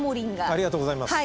ありがとうございます。